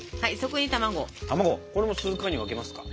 これも数回に分けますか？